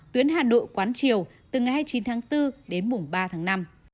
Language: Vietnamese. tuyến hà nội quán triều từ ngày hai mươi chín tháng bốn đến mùng ba tháng năm